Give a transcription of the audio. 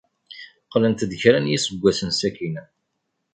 Qqlent-d kra n yiseggasen sakkin.